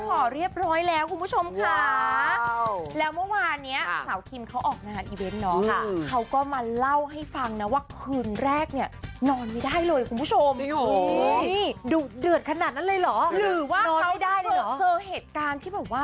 พี่หมากวนใช่ไหมหรือยังไงว่าย่ะ